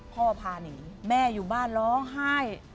พาหนีแม่อยู่บ้านร้องไห้